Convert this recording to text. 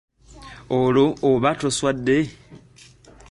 Olwo oba toswadde?